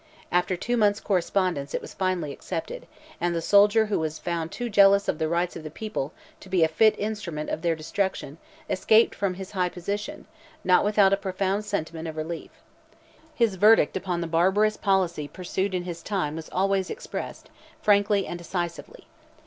After two months' correspondence, it was finally accepted, and the soldier who was found too jealous of the rights of the people to be a fit instrument of their destruction, escaped from his high position, not without a profound sentiment of relief. His verdict upon the barbarous policy pursued in his time was always expressed, frankly and decisively.